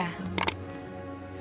kenapa vokapu ga taupm interpreted